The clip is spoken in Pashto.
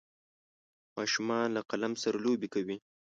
ماشومان له قلم سره لوبې کوي.